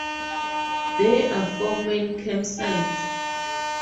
There are four main campsites.